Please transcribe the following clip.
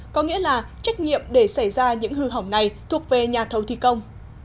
có nghĩa là trách nhiệm để xảy ra những hư hỏng này thuộc về nhà thầu thi công